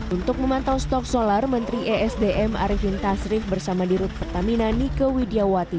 untuk memantau stok solar menteri esdm arifin tasrif bersama dirut pertamina nike widiawati